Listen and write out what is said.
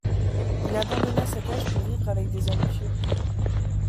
Il abandonna sa tâche pour vivre avec des hommes pieux.